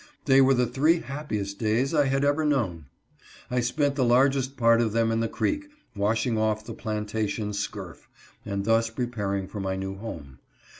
They were the three happiest days I had ever known. I spent the largest part of them in the creek, washing off the plantation scurf, and thus preparing for my new home.